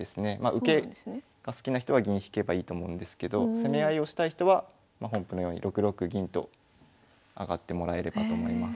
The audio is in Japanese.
受けが好きな人は銀引けばいいと思うんですけど攻め合いをしたい人は本譜のように６六銀と上がってもらえればと思います。